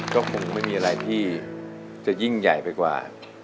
ก็คงไม่มีอะไรที่จะยิ่งใหญ่ไปกว่า